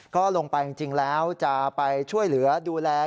ก็ลงไปจริงแล้วจะไปช่วยเหลือดูแล